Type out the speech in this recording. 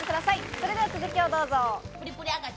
それでは続きどうぞ。